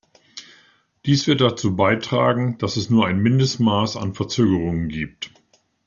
Dies wird dazu beitragen, dass es nur ein Mindestmaß an Verzögerungen gibt.